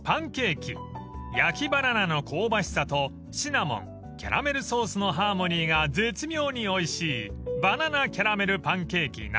［焼きバナナの香ばしさとシナモンキャラメルソースのハーモニーが絶妙においしいバナナキャラメルパンケーキなど］